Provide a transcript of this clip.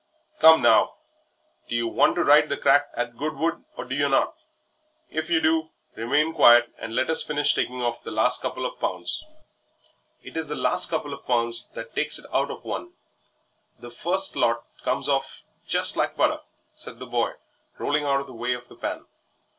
"Come, now, do yer want to ride the crack at Goodwood or do yer not? If you do, remain quiet, and let us finish taking off the last couple of pounds." "It is the last couple of pounds that takes it out of one; the first lot comes off jest like butter," said the boy, rolling out of the way of the pan.